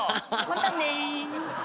またね。